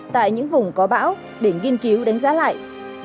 tại những vùng có bão để nghiên cứu đánh giá lãng phí